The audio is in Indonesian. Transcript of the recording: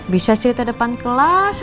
bisa cerita depan kelas